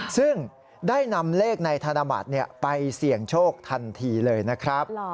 ซึ่งได้นำเลขในธนบัตรไปเสี่ยงโชคทันทีเลยนะครับ